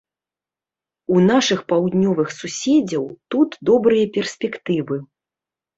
У нашых паўднёвых суседзяў тут добрыя перспектывы.